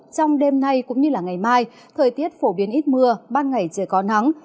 trong đêm nay cũng như ngày mai thời tiết phổ biến ít mưa ban ngày trời có nắng